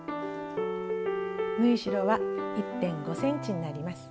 縫い代は１．５ｃｍになります。